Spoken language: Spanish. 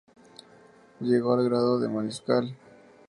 Llegó al grado de mariscal.